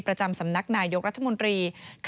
ประจำสำนักนายยกรัฐมนตรี